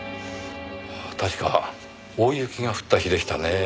確か大雪が降った日でしたねぇ。